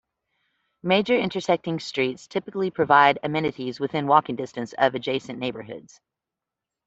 Major intersecting streets typically provide amenities within walking distance of adjacent neighborhoods.